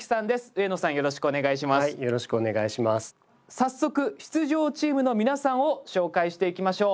早速出場チームの皆さんを紹介していきましょう。